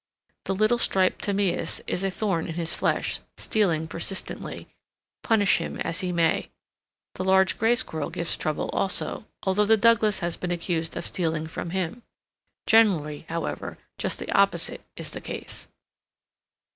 The little striped tamias is a thorn in his flesh, stealing persistently, punish him as he may. The large Gray Squirrel gives trouble also, although the Douglas has been accused of stealing from him. Generally, however, just the opposite is the case.